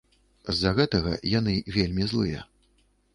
З-за гэтага яны вельмі злыя.